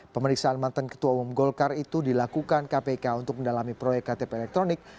pemeriksaan mantan ketua umum golkar itu dilakukan kpk untuk mendalami proyek ktp elektronik